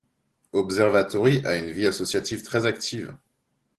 Observatory a une vie associative très active.